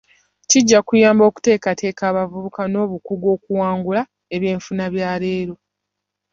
Kijja kuyamba okuteekateeka abavubuka n'obukugu okuwangula ebyenfuna byaleero .